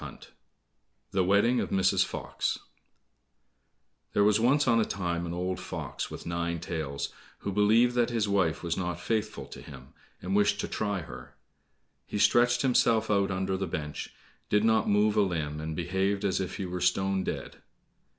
38 The Wedding of Mrs. Fox FIRST STORY There was once on a time an old fox with nine tails, who believed that his wife was not faithful to him, and wished to try her. He stretched himself out under the bench, did not move a limb, and behaved as if he were stone dead.